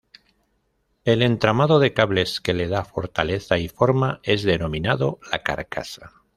El entramado de cables que le da fortaleza y forma es denominado la carcasa.